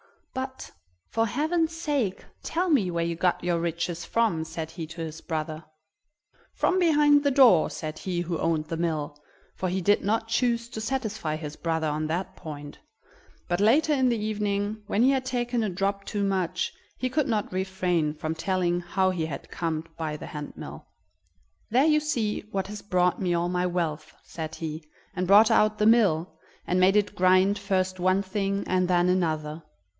"But, for heaven's sake, tell me where you got your riches from," said he to his brother. "From behind the door," said he who owned the mill, for he did not choose to satisfy his brother on that point; but later in the evening, when he had taken a drop too much, he could not refrain from telling how he had come by the hand mill. "There you see what has brought me all my wealth!" said he, and brought out the mill, and made it grind first one thing and then another.